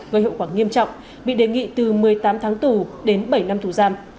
gây hậu quả nghiêm trọng bị đề nghị từ một mươi tám tháng tù đến bảy năm tù giam